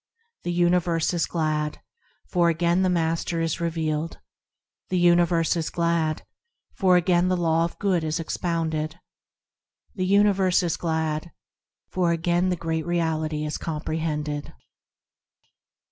The universe is glad, for again the Master is revealed; The universe is glad, for again the Law of Good is expounded; The universe is glad, for again the Great Reality is comprehended.